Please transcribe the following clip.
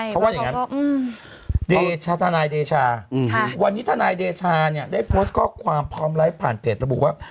เพราะว่าอย่างนั้นวันนี้ทนายเดชาได้โพสต์ข้อความพร้อมร้ายผ่านเกตระบุว่า